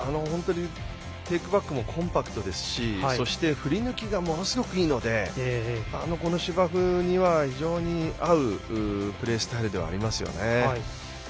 テイクバックもコンパクトですしそして、振り抜きがものすごくいいので芝生には非常に合うプレースタイルですね。